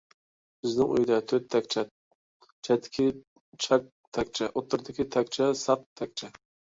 بىزنىڭ ئۆيدە تۆت تەكچە، چەتتىكى چاك تەكچە، ئوتتۇرىدىكى تەكچە ساق تەكچە.